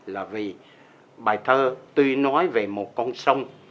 là vì bài thơ tuy nói về một con sông